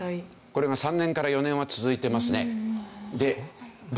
これが３年から４年は続いてますね。